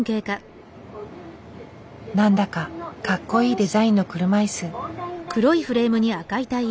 何だかかっこいいデザインの車いす。